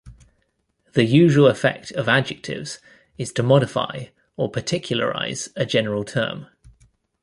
The usual effect of adjectives is to modify or particularize a general term.